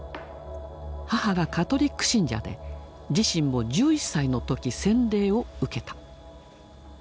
母がカトリック信者で自身も１１歳の時洗礼を受けた。